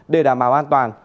để đảm bảo an toàn